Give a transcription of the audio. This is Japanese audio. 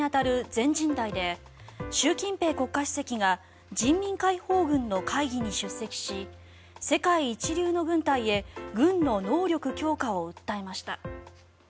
中国の国会に当たる全人代で習近平国家主席が人民解放軍の会議に出席し世界一流の軍隊へ軍の能力強化を訴えました。